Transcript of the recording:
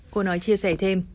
cô nói chia sẻ thêm